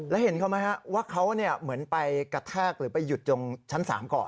แล้วเห็นเขาไหมฮะว่าเขาเหมือนไปกระแทกหรือไปหยุดตรงชั้น๓ก่อน